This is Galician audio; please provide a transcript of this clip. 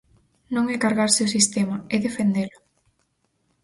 Non é cargarse o sistema, é defendelo.